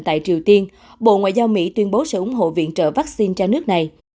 tại triều tiên bộ ngoại giao mỹ tuyên bố sẽ ủng hộ viện trợ vaccine cho nước này